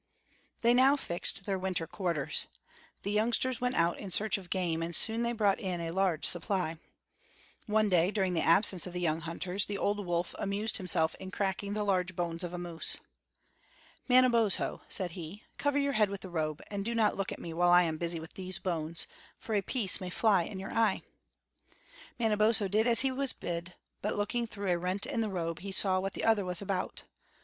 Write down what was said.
They now fixed their winter quarters. The youngsters went out in search of game, and they soon brought in a large supply. One day, during the absence of the young hunters, the old wolf amused himself in cracking the large bones of a moose. "Manabozho," said he, "cover your head with the robe, and do not look at me while I am busy with these bones, for a piece may fly in your eye." Manabozho did as he was bid; but looking through a rent in the robe, he saw what the other was about.